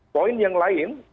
poin yang lain